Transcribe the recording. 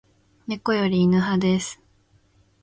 猫より犬派です